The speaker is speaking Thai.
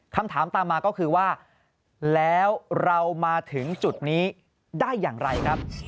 คำถามตามมาก็คือว่าแล้วเรามาถึงจุดนี้ได้อย่างไรครับ